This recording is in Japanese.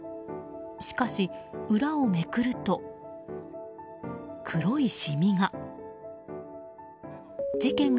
しかし、裏をめくると黒い染みが。